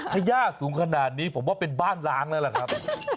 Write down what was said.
ถ้าหญ้าสูงขนาดนี้ผมว่าเป็นบ้านล้างเลยครับ